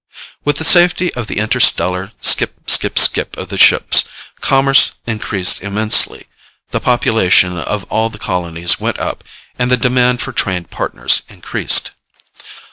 With the safety of the inter stellar skip, skip, skip of the ships, commerce increased immensely, the population of all the colonies went up, and the demand for trained Partners increased.